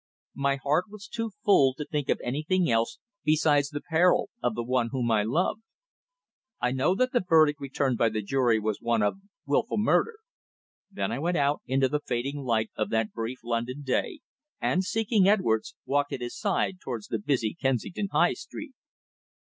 My heart was too full to think of anything else besides the peril of the one whom I loved. I know that the verdict returned by the jury was one of "Wilful murder." Then I went out into the fading light of that brief London day, and, seeking Edwards, walked at his side towards the busy Kensington High Street.